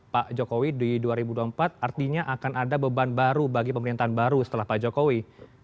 pak jokowi di dua ribu dua puluh empat artinya akan ada beban baru bagi pemerintahan baru setelah pak jokowi